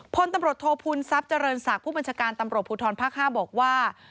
พลตำรวจโทษภูมิทรัพย์เจริญศักดิ์ผู้บัญชาการตำรวจภูทรภาค๕บอกว่า